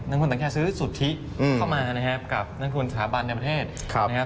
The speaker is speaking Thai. ลงทุนต่างแค่ซื้อสุทธิเข้ามานะครับกับนักทุนสถาบันในประเทศนะครับ